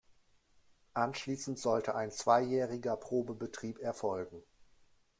Anschließend sollte ein zweijähriger Probebetrieb erfolgen.